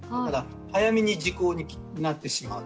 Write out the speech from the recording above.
早めに時効になってしまう。